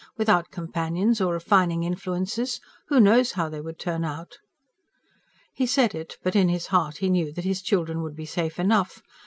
Without companions or refining influences. Who knows how they would turn out?" He said it, but in his heart he knew that his children would be safe enough.